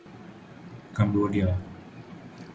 Cambodia